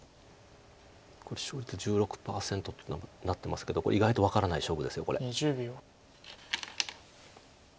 これ勝率１６％ってなってますけどこれ意外と分からない勝負です。